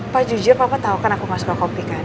pak jujur papa tau kan aku gak suka kopi kan